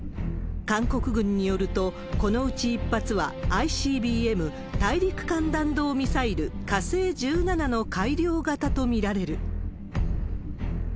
韓国軍によると、このうち１発はＩＣＢＭ・大陸間弾道ミサイル、火星１７の改良型と見られる。